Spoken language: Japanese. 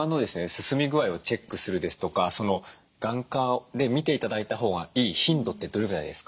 進み具合をチェックするですとか眼科で診て頂いたほうがいい頻度ってどれぐらいですか？